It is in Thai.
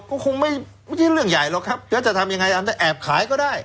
ก็คงไม่ใช่เรื่องใหญ่หรอกครับแล้วจะทำยังไงอาจจะแอบขายก็ได้